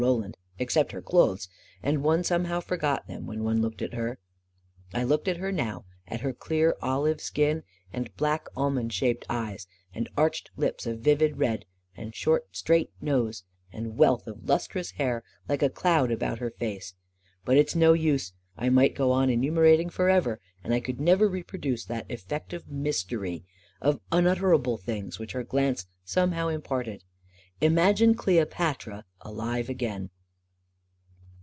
Roland except her clothes ; and one somehow forgot them when one looked at her ...# I looked at her now — at her clear olive skin, and black, almond shaped eyes, and arched lips of vivid red, and short straight nose, and wealth of lustrous hair like a cloud about her face ; but it's no 66 A KING IN BABYLON use — I might go on enumerating forever, and I could never reproduce that effect of mystery, of un utterable things, which her glance somehow im parted. Imagine Cleopatra alive again